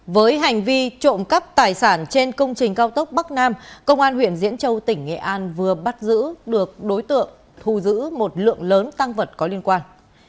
với hành vi trộm cắp tài sản trên công trình cao tốc bắc nam công an huyện diễn châu tỉnh nghệ an vừa bắt giữ được đối tượng thu giữ một lượng lớn tăng vật có liên quan